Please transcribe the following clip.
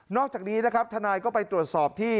อกจากนี้นะครับทนายก็ไปตรวจสอบที่